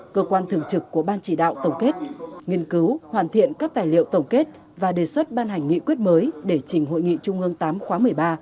cơ quan thường trực của ban chỉ đạo tổng kết nghiên cứu hoàn thiện các tài liệu tổng kết và đề xuất ban hành nghị quyết mới để trình hội nghị trung ương viii khóa một mươi ba